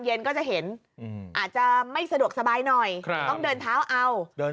เย็นก็จะเห็นอาจจะไม่สะดวกสบายหน่อยต้องเดินเท้าเอาเดิน